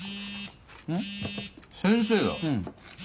先生だ。